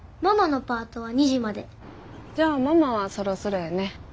じゃあママはそろそろやね。